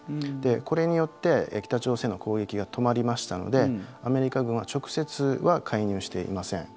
これによって北朝鮮の攻撃が止まりましたのでアメリカ軍は直接は介入していません。